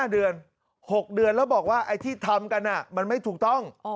๕เดือน๖เดือนแล้วบอกว่าไอ้ที่ทำกันมันไม่ถูกต้อง